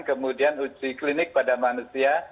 kemudian uji klinik pada manusia